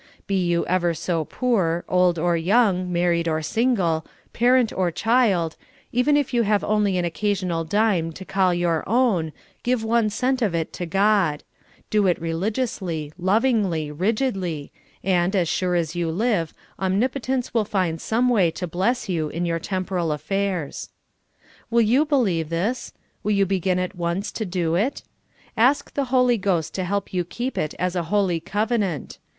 Be you ever so poor, old or young, married or single, parent or child, even if you have only an occasional dime to call your own, give one cent of it to God ; do it religiously, lov ingly, rigidl}^, and, as sure as 3 0U live, Omnipotence will find some way to bless you in your temporal affairs. Will you believe this ? Will you begin at once to do it ? Ask the Holy Ghost to help you keep it as a hol}^ covenant.